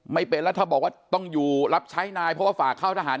ไม่เป็นแล้วถ้าบอกว่าต้องอยู่รับใช้นายเพราะว่าฝากเข้าทหาร